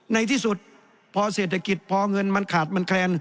ในที่สุดพอเศรษฐกิจพอเงินมันขาดมันแคลน